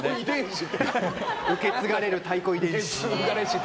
受け継がれる太鼓遺伝子。